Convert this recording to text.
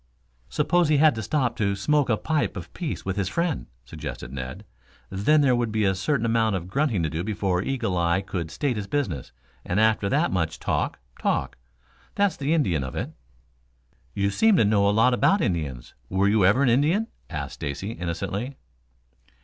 "Suppose he had to stop to smoke a pipe of peace with his friend," suggested Ned. "Then there would be a certain amount of grunting to do before Eagle eye could state his business, and after that much talk, talk. That's the Indian of it." "You seem to know a lot about Indians. Were you ever an Indian?" asked Stacy innocently.